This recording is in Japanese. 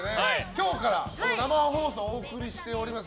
今日から生放送お送りしております